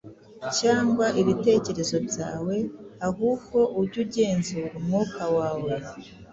cyangwa ibitekerezo byawe, ahubwo ujye ugenzuza umwuka wawe.